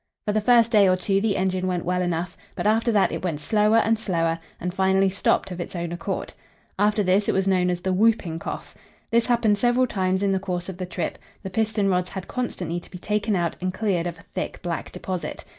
For the first day or two the engine went well enough, but after that it went slower and slower, and finally stopped of its own accord. After this it was known as the "Whooping Cough." This happened several times in the course of the trip; the piston rods had constantly to be taken out and cleared of a thick black deposit.